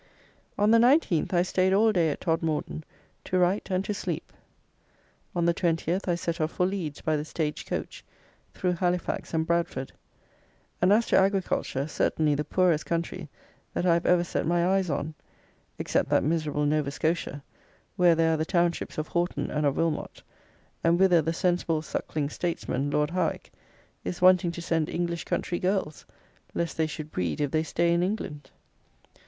On the 19th I staid all day at Todmorden to write and to sleep. On the 20th I set off for Leeds by the stage coach, through Halifax and Bradford; and as to agriculture, certainly the poorest country that I have ever set my eyes on, except that miserable Nova Scotia, where there are the townships of Horton and of Wilmot, and whither the sensible suckling statesman, Lord Howick, is wanting to send English country girls, lest they should breed if they stay in England!